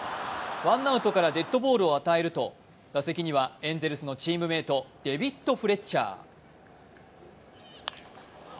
ワンアウトからデッドボールを与えると、打席にはエンゼルスのチームメートデビッド・フレッチャー。